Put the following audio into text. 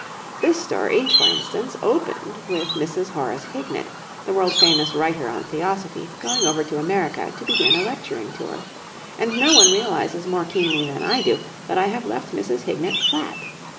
This story, for instance, opened with Mrs. Horace Hignett, the world famous writer on Theosophy, going over to America to begin a lecturing tour; and no one realises more keenly than I do that I have left Mrs. Hignett flat.